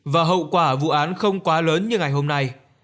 và hậu quả vụ án không quá lớn như ngày hôm nay